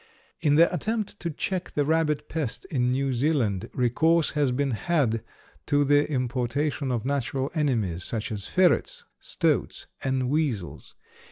] In the attempt to check the rabbit pest in New Zealand, recourse has been had to the importation of natural enemies, such as ferrets, stoats, and weasels.